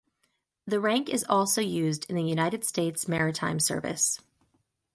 The rank is also used in the United States Maritime Service.